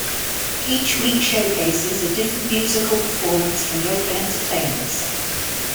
Each week showcases a different musical performance from local entertainers.